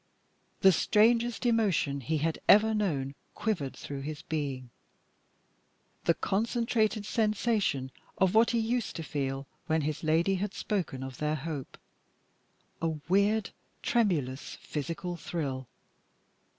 The strangest emotion he had ever known quivered through his being the concentrated sensation of what he used to feel when his lady had spoken of their hope a weird, tremulous, physical thrill.